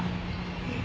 うん。